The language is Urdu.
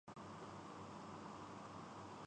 مذہب اور سیاست کی یک جائی کا ایک نتیجہ یہ بھی ہے۔